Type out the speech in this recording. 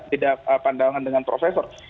tidak pandangan dengan prof